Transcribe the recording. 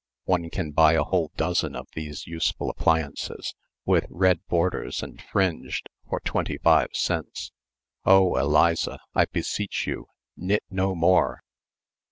(One can buy a whole dozen of these useful appliances, with red borders and fringed, for twenty five cents.) Oh, Eliza, I beseech you, knit no more!